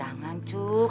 kan mau main jauh sekali